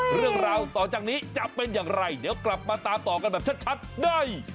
เรื่องราวต่อจากนี้จะเป็นอย่างไรเดี๋ยวกลับมาตามต่อกันแบบชัดได้